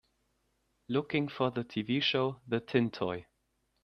Looking for the TV show the Tin Toy